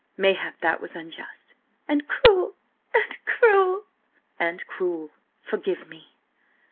Mayhap that was unjust." "And cruel! And cruel!" "And cruel. Forgive me."